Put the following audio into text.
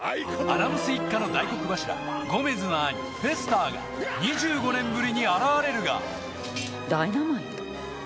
アダムス一家の大黒柱ゴメズの兄フェスタ−が２５年ぶりに現れるがダイナマイト？